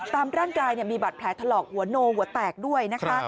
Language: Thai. ตามร่างกายมีบาดแผลทะเลาะหัวโนหัวแตกด้วย